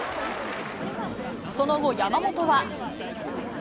その後、山本は。